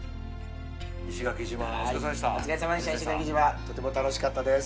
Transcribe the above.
石垣島とても楽しかったです。